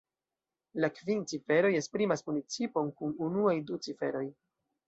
La kvin ciferoj esprimas municipon kun unuaj du ciferoj.